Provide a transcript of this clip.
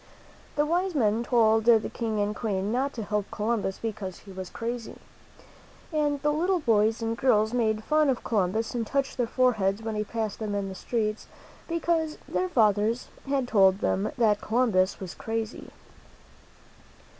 The wise men told the King and Queen not to help Columbus, because he was crazy. And the little boys and girls made fun of Columbus and touched their foreheads when he passed them in the streets, because their fathers had told them that Colum bus was crazy.